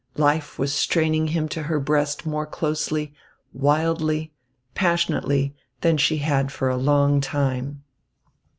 Life was straining him to her breast more closely, wildly, passionately than she had for a long time.